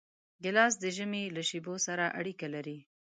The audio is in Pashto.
ګیلاس د ژمي له شېبو سره اړیکه لري.